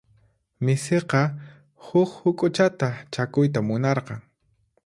Misiqa huk huk'uchata chakuyta munarqan.